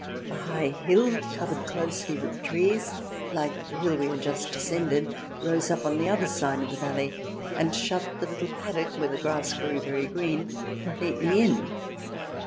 A high hill, covered closely with trees like the hill we had just descended, rose up on the other side of the valley, and shut the little CH. VI] BEER GARDENS 85 paddock, where the grass grew very green, com pletely in.